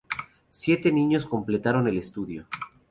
Siete niños completaron el estudio.